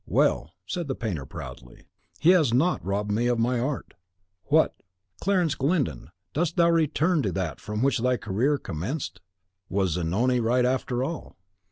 Well," said the painter, proudly, "he has not robbed me of my art." What! Clarence Glyndon, dost thou return to that from which thy career commenced? Was Zanoni right after all?